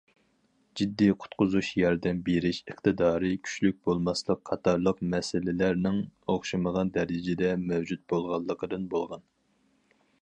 جىددىي قۇتقۇزۇش ياردەم بېرىش ئىقتىدارى كۈچلۈك بولماسلىق قاتارلىق مەسىلىلەرنىڭ ئوخشىمىغان دەرىجىدە مەۋجۇت بولغانلىقىدىن بولغان.